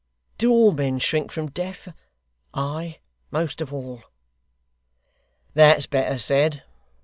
Do all men shrink from death I most of all!' 'That's better said.